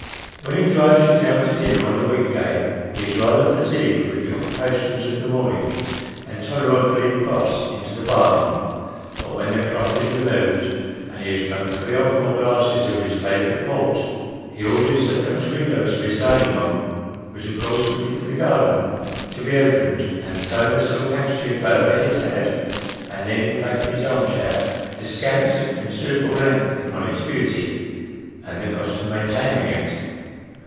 When he drives you down to dinner on a week day, he is rather fatigued with the occupations of the morning, and tolerably cross into the bargain ; but when the cloth is removed, and he has drank three or four glasses of his favourite port, he orders the French windows of his dining room (which of course look into the garden) to be opened, and throwing a silk handkerchief over his head, and leaning back in his arm chair, descants at considerable length upon its beauty, and the cost of maintaining it.